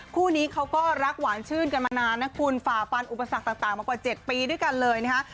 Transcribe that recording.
คู่นี้เขาก็รักหวานชื่นกันมานานนะคุณฝ่าฟันอุปสรรคต่างมากว่า๗ปีด้วยกันเลยนะฮะ